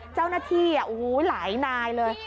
เจ้าหน้าที่หลายนายเลย